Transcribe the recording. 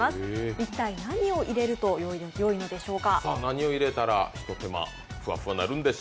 一体何を入れるとよいのでしょうか？